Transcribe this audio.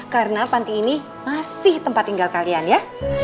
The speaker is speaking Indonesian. karena panti ini masih tempat tinggal kalian ya